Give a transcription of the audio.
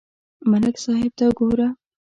ملک صاحب ته گوره